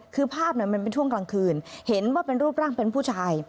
คือภาพมันเป็นช่วงกลางคืนเห็นว่าเป็นรูปร่างเป็นผู้ชาย